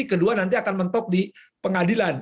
kedua nanti akan mentok di pengadilan